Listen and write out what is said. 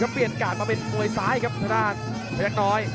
เปลี่ยนการมาเป็นป่วยซ้ายครับทะดานแท่งน้อย